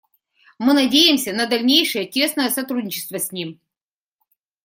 Мы надеемся на дальнейшее тесное сотрудничество с ним.